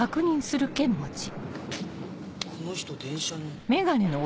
この人電車の。